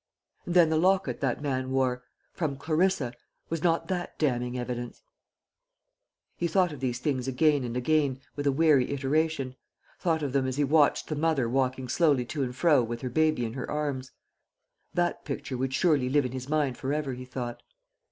And then the locket that man wore "From Clarissa" was not that damning evidence? He thought of these things again and again, with a weary iteration thought of them as he watched the mother walking slowly to and fro with her baby in her arms. That picture would surely live in his mind for ever, he thought.